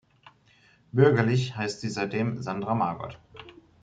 Bürgerlich heißt sie seitdem Sandra Margot.